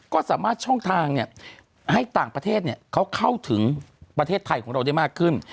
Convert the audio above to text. ก็สามารถช่องทางให้ต่างประเทศเขาเข้าถึงประเทศไทยของเราได้มากขึ้น